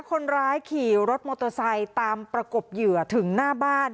คนร้ายขี่รถมอเตอร์ไซค์ตามประกบเหยื่อถึงหน้าบ้าน